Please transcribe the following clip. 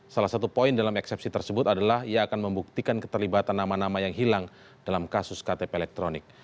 salah satu poin dalam eksepsi tersebut adalah ia akan membuktikan keterlibatan nama nama yang hilang dalam kasus ktp elektronik